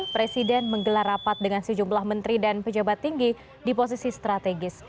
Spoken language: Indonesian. presiden menggelar rapat dengan sejumlah menteri dan pejabat tinggi di posisi strategis